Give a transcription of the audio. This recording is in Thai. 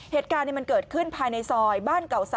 เหตุการณ์มันเกิดขึ้นภายในซอยบ้านเก่า๓